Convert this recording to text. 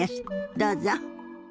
どうぞ。